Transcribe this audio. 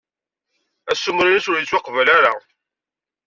Assumer-nnes ur yettwaqbel ara.